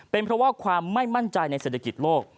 เป็นเพราะว่าความไม่มั่นใจในเศรษฐกิจโลก